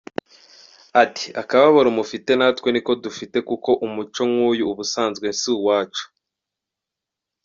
Ati"Akababaro mufite natwe niko dufite kuko umuco nk’uyu ubusanzwe si uwacu.